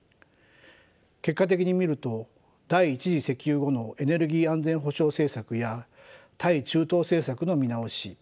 結果的に見ると第１次石油後のエネルギー安全保障政策や対中東政策の見直し